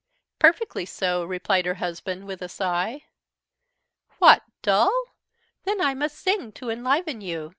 "Perfectly so," replied her husband, with a sigh. "What? Dull? Then I must sing to enliven you."